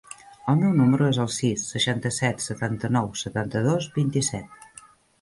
El meu número es el sis, seixanta-set, setanta-nou, setanta-dos, vint-i-set.